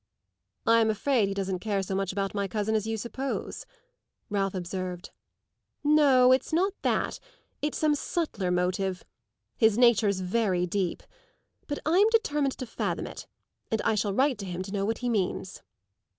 "I'm afraid he doesn't care so much about my cousin as you suppose," Ralph observed. "No, it's not that; it's some subtler motive. His nature's very deep. But I'm determined to fathom it, and I shall write to him to know what he means."